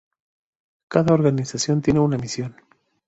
Cada organización tiene una misión.